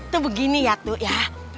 tuh begini ya tuh ya